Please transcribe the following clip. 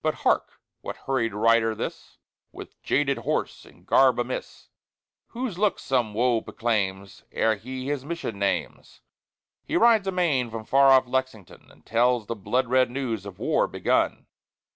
But, hark! What hurried rider, this, With jaded horse and garb amiss, Whose look some woe proclaims, Ere he his mission names? He rides amain from far off Lexington, And tells the blood red news of war begun!